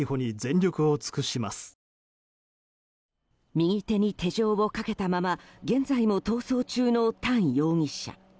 右手に手錠をかけたまま現在も逃走中のタン容疑者。